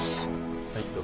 はいどうぞ。